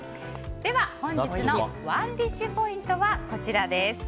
では、本日のＯｎｅＤｉｓｈポイントです。